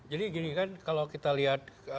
jadi gini kan kalau kita lihat